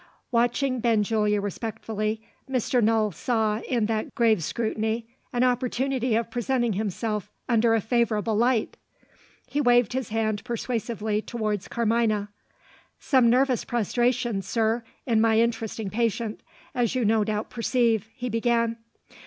Watching Benjulia respectfully, Mr. Null saw, in that grave scrutiny, an opportunity of presenting himself under a favourable light. He waved his hand persuasively towards Carmina. "Some nervous prostration, sir, in my interesting patient, as you no doubt perceive," he began.